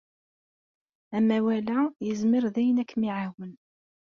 Amawal-a yezmer daɣen ad kem-iɛawen.